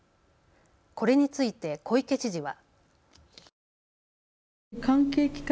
これについて小池知事は。